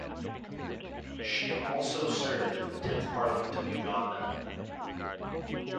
She also served in the tenth Parliament of Uganda.